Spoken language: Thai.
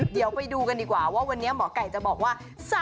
เดี๋ยวไปดูกันดีกว่าว่าวันนี้หมอไก่จะบอกว่า